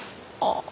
ああ。